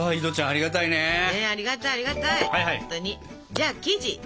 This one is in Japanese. じゃあ生地。